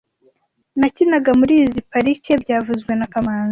Nakinaga muri izoi parike byavuzwe na kamanzi